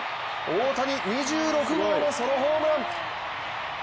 大谷、２６号のソロホームラン。